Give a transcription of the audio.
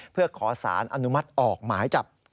เพื่อขอสารอนุมัติออกหมายจับ